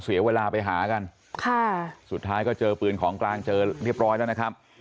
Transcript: เสียเวลาไปหากันค่ะสุดท้ายก็เจอปืนของกลางเจอเรียบร้อยแล้วนะครับ